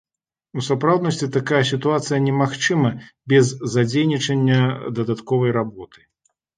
У сапраўднасці такая сітуацыя не магчыма без задзейнічання дадатковай работы.